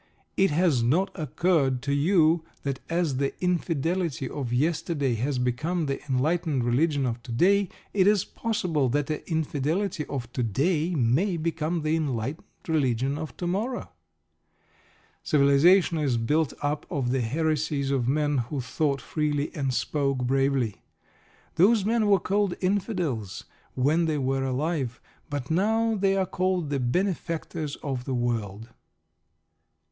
It has not occurred to you that as the "infidelity" of yesterday has become the enlightened religion of to day, it is possible that the "infidelity" of to day may become the enlightened religion of to morrow. Civilisation is built up of the "heresies" of men who thought freely and spoke bravely. Those men were called "Infidels" when they were alive. But now they are called the benefactors of the world.